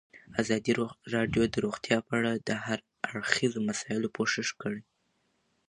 ازادي راډیو د روغتیا په اړه د هر اړخیزو مسایلو پوښښ کړی.